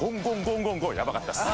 やばかったです。